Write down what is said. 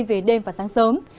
về đêm và sáng sớm